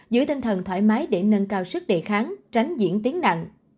giữ tinh thần thoải mái để nâng cao sức đề kháng tránh diễn tiếng nặng